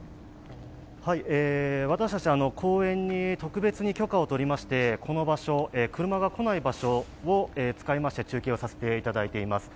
私たち、公園に特別に許可を取りましてこの場所、車が来ない場所を使いまして中継をさせていただいています。